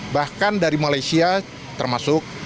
bahkan dari malaysia termasuk